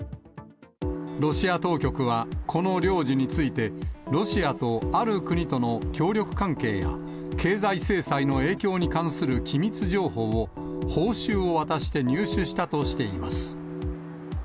ロシア当局は、この領事について、ロシアとある国との協力関係や、経済制裁の影響に関する機密情報を、報酬を渡して入手したとしています。